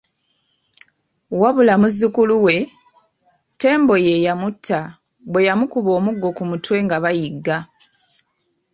Wabula muzzukulu we, Ttembo ye yamutta bwe yamukuba omuggo ku mutwe nga bayigga.